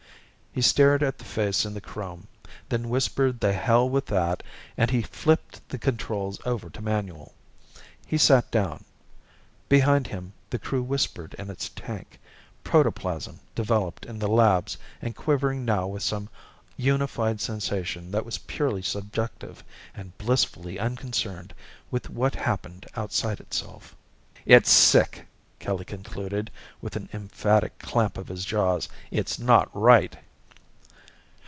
He stared at the face in the chrome, then whispered the hell with that and he flipped the controls over to manual. He sat down. Behind him, the Crew whispered in its tank, protoplasm developed in the labs and quivering now with some unified sensation that was purely subjective and blissfully unconcerned with what happened outside itself. "It's sick," Kelly concluded, with an emphatic clamp of his jaws. "It's not right!"